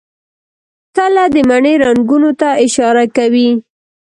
تله د مني رنګونو ته اشاره کوي.